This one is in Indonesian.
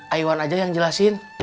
ayo aja yang jelasin